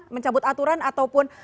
mencabut aturan ataupun